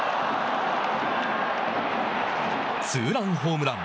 ツーランホームラン。